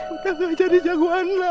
udah gak jadi jagoan lagi